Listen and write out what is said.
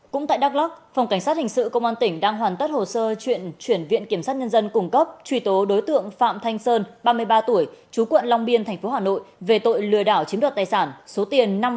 cũng tại đắk lắc phòng cảnh sát hình sự công an tỉnh đang hoàn tất hồ sơ chuyển viện kiểm sát nhân dân cung cấp truy tố đối tượng phạm thanh sơn ba mươi ba tuổi chú quận long biên tp hà nội về tội lừa đảo chiếm đoạt tài sản số tiền năm mươi triệu đồng